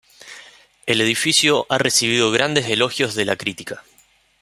El edificio ha recibido grandes elogios de la crítica.